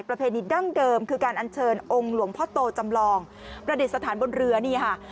ประเภทนี้ดั้งเดิมคือการอนเชิญองค์หลวงพจะตรวจำลองประเด็นสถานบนเรือนี่นะคะ